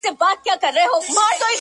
سپورټ د ټیم روحیه پیاوړې کوي